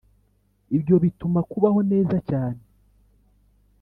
ibyo byatuma kubaho neza cyane,